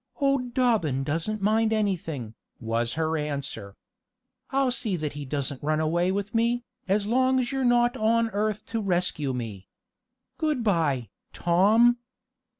"Old Dobbin doesn't mind anything," was her answer. "I'll see that he doesn't run away with me, as long as you're not on earth to rescue me. Good by, Tom!"